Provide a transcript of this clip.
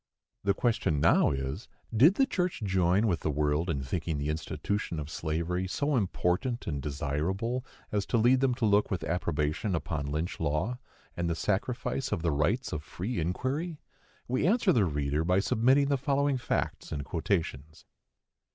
The question now is, Did the church join with the world in thinking the institution of slavery so important and desirable as to lead them to look with approbation upon Lynch law, and the sacrifice of the rights of free inquiry? We answer the reader by submitting the following facts and quotations.